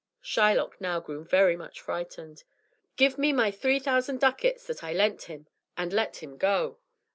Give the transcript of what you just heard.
Shylock now grew very much frightened. "Give me my three thousand ducats that I lent him, and let him go."